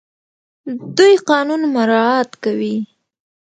دوی قانون مراعات کوي.